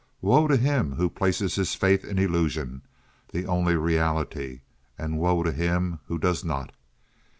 Woe to him who places his faith in illusion—the only reality—and woe to him who does not.